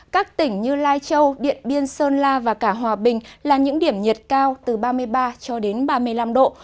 các tỉnh như lai châu điện biên sơn la và cả hòa bình là những điểm nhiệt cao từ ba mươi ba cho đến ba mươi năm độ